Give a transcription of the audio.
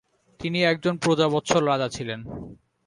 তিনি একজন প্রজাবত্সল রাজা ছিলেন।